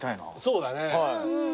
そうだね。